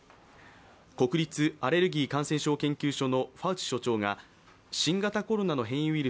国立アレルギー感染症研究所のファウチ所長が新型コロナの変異ウイル